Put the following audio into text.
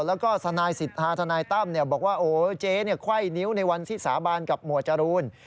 แล้วก็ทนายสิทธาทนายตั้มบอกว่าโอ้เจ๊ไขว้นิ้วในวันที่สาบานกับหมวดจรูน